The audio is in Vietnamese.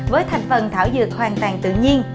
với thành phần thảo dược hoàn toàn tự nhiên